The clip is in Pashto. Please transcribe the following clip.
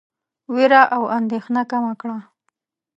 وېره او اندېښنه کمه کړه.